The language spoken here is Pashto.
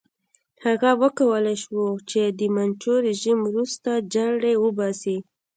هغه وکولای شو چې د منچو رژیم ورستۍ جرړې وباسي.